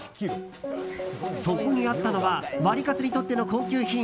そこにあったのはワリカツにとっての高級品